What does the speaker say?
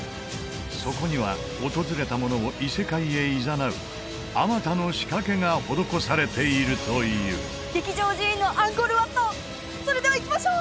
そこには訪れた者を異世界へいざなうあまたの仕掛けが施されているという劇場寺院のアンコール・ワットそれでは行きましょう！